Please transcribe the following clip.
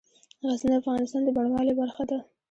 غزني د افغانستان د بڼوالۍ برخه ده.